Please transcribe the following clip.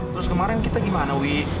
terus kemarin kita gimana wi